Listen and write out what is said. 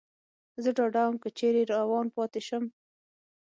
زه ډاډه ووم، که چېرې روان پاتې شم.